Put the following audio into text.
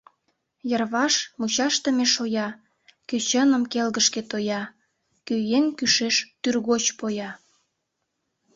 Йырваш — мучашдыме шоя: Кӧ чыным келгышке тоя, Кӧ еҥ кӱшеш тӱргоч поя…